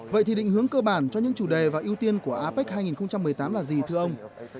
vậy thì định hướng cơ bản cho những chủ đề và ưu tiên của apec hai nghìn một mươi tám là gì thưa ông